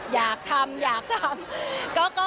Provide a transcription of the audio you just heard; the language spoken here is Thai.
อยากทำอยากทำ